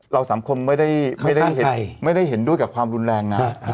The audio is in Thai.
สังคมไม่ได้เห็นด้วยกับความรุนแรงนะ